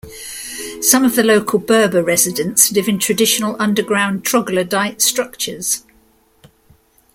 Some of the local Berber residents live in traditional underground "troglodyte" structures.